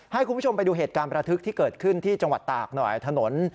ให้คุณผู้ชมไปดูเหตุการณ์ประทึกที่เกิดขึ้นที่จังหวัดตากหน่อยถนน